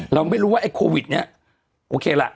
เราไม่รู้ว่าไอ้โควิดเนี่ยโอเคล่ะ